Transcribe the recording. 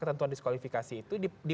ketentuan diskualifikasi itu di